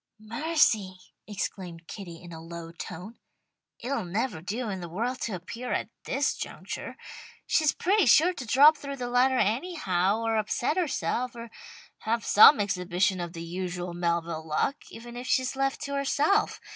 "Mercy!" exclaimed Kitty in a low tone. "It'll never do in the world to appear at this juncture. She's pretty sure to drop through the ladder anyhow, or upset herself, or have some exhibition of the usual Melville luck, even if she's left to herself.